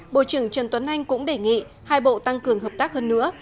bộ trưởng trần tuấn anh cũng đề nghị hai bộ tăng cường hợp tác hơn nữa